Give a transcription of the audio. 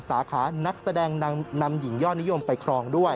สาขานักแสดงนางนำหญิงยอดนิยมไปครองด้วย